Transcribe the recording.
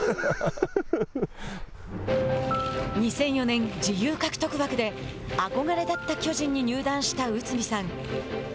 ２００４年、自由獲得枠で憧れだった巨人に入団した内海さん。